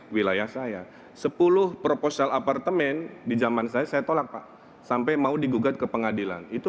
wilayah saya sepuluh proposal apartemen di zaman saya saya tolak pak sampai mau digugat ke pengadilan itu